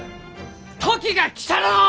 時が来たらのう！